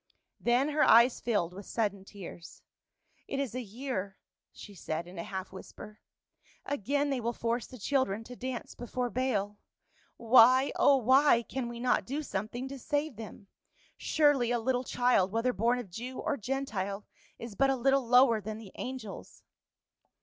Then her eyes filled with sudden tears, " It is a year," she said in a half whisper. "Again they will force the children to dance before Baal. Why, oh why, can we not do something to save them ? Surely a little child, whether born of Jew or Gentile, is but a little lower than the angels."